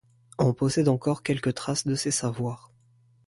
On possède encore quelques traces de ces savoirs.